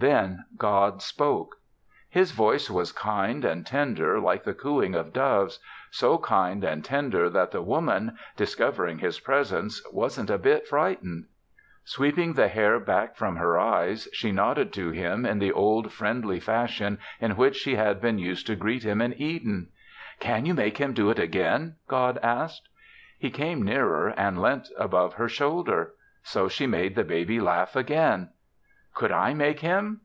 Then God spoke. His voice was kind and tender like the cooing of doves so kind and tender that the Woman, discovering His presence, wasn't a bit frightened. Sweeping the hair back from her eyes, she nodded to Him in the old friendly fashion in which she had been used to greet Him in Eden. "Can you make him do it again?" God asked. He came nearer and leant above her shoulder. So she made the baby laugh again. "Could I make him?"